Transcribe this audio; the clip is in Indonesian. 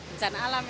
bencana alam ya